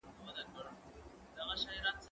هغه څوک چي لوبه کوي خوشاله وي!؟